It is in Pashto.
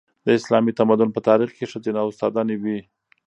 د اسلامي تمدن په تاریخ کې ښځینه استادانې وې.